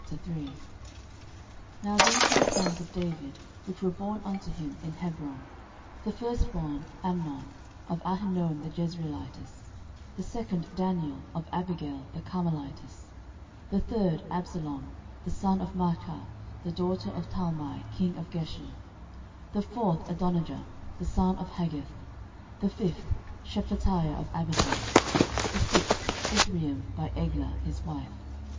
13:003:001 Now these were the sons of David, which were born unto him in Hebron; the firstborn Amnon, of Ahinoam the Jezreelitess; the second Daniel, of Abigail the Carmelitess: 13:003:002 The third, Absalom the son of Maachah the daughter of Talmai king of Geshur: the fourth, Adonijah the son of Haggith: 13:003:003 The fifth, Shephatiah of Abital: the sixth, Ithream by Eglah his wife.